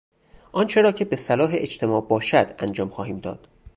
آنچه را که به صلاح اجتماع باشد انجام خواهیم داد.